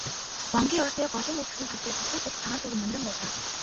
Вангийн ордны голын үзэсгэлэнт талбайд есөн хөлт цагаан туг намиран байлаа.